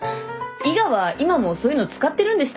伊賀は今もそういうの使ってるんでしたっけ。